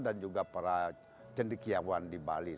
dan juga para cendekiawan di bali